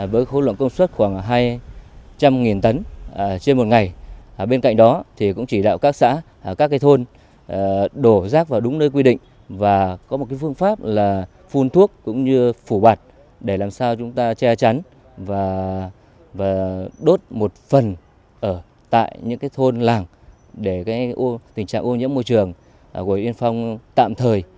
với khối lượng công suất khoảng hai trăm linh tấn trên một ngày bên cạnh đó thì cũng chỉ đạo các xã các cái thôn đổ rác vào đúng nơi quy định và có một phương pháp là phun thuốc cũng như phủ bạc để làm sao chúng ta che chắn và đốt một phần ở tại những cái thôn làng để tình trạng ô nhiễm môi trường của huyện yên phong tạm thời